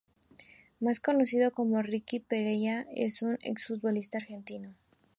Más conocido como Ricky Pereyra, es un ex-futbolista argentino.